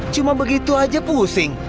cuma begitu aja pusing